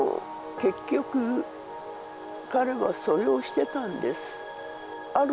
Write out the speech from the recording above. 結局彼はそれをしてたんですある